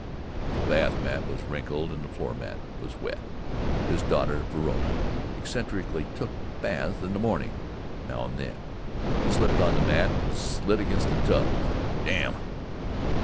The bath mat was wrinkled and the floor was wet. (His daughter Verona eccentrically took baths in the morning, now and then.) He slipped on the mat, and slid against the tub. He said "Damn!"